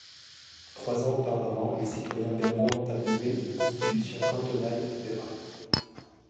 Trois ans auparavant, les citoyens bernois ont approuvé une Constitution cantonale libérale.